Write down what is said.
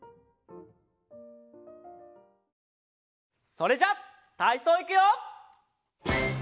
それじゃたいそういくよ！